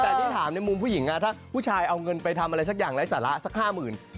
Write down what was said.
แต่ที่ถามในมุมผู้หญิงถ้าผู้ชายเอาเงินไปทำอะไรสักอย่างไร้สาระสัก๕๐๐๐บาท